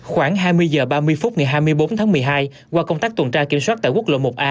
khoảng hai mươi h ba mươi phút ngày hai mươi bốn tháng một mươi hai qua công tác tuần tra kiểm soát tại quốc lộ một a